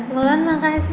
pulan makasih ya